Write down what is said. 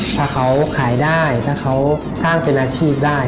ถ้าเขาขายได้ถ้าเขาสร้างเป็นอาชีพได้